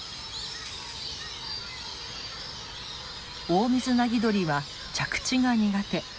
オオミズナギドリは着地が苦手。